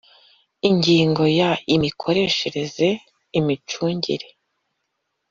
Ingingo ya imikoreshereze imicungire